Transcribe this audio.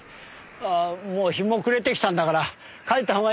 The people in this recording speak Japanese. ああもう日も暮れてきたんだから帰ったほうがいいよ。